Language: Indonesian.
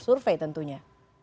hasil survei tentunya